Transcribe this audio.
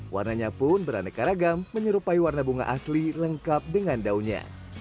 warnanya pun beraneka ragam menyerupai warna bunga asli lengkap dengan daunnya